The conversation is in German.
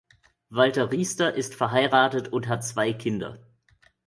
Walter Riester ist verheiratet und hat zwei Kinder.